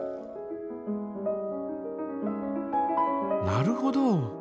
なるほど。